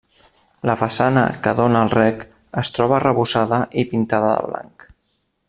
La façana que dóna al rec es troba arrebossada i pintada de blanc.